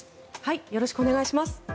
よろしくお願いします。